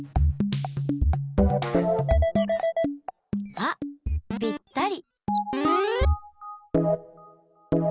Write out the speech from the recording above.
あっぴったり！